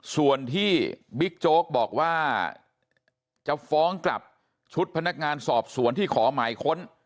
ส่วนที่บิ๊กโจ๊กบอกว่าจะฟ้องกลับชุดพนักงานสอบสวนที่ขอหมายค้น